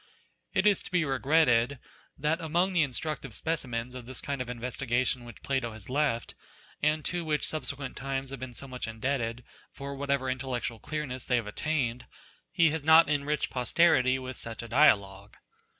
It is to be regretted that among the instructive specimens of this kind of investigation which Plato has left, and to which subsequent times have been so much indebted for whatever intellectual clearness they have attained, he has not enriched posterity with a dialogue irspl ^UO EWC.